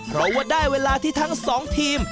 เพราะว่าได้เวลาที่ทั้งสองทีม